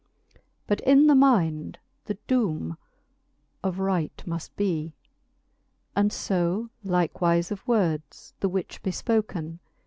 But in the mind the doome of right muft bee ; And fo likewife of words, the which be fpoken.